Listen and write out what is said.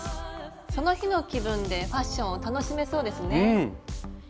その日の気分でファッションを楽しめそうですね。